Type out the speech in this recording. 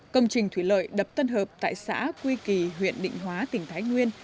công trình thủy lợi đập tân hợp tại xã quy kỳ huyện định hóa tỉnh thái nguyên